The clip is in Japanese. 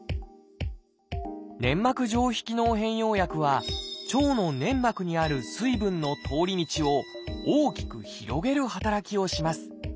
「粘膜上皮機能変容薬」は腸の粘膜にある水分の通り道を大きく広げる働きをします。